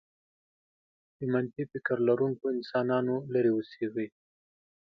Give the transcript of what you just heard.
د منفي فكر لرونکو انسانانو لرې اوسېږئ.